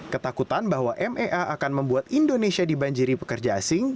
ketakutan bahwa mea akan membuat indonesia dibanjiri pekerja asing